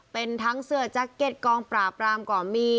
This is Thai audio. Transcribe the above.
เป็นทั้งเสื้อแจ็คเก็ตกองปราบรามก็มี